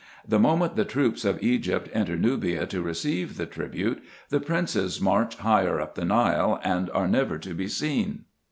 The moment the troops of Egypt enter Nubia to receive the tribute, the princes march higher up the Nile, and are never to be seen.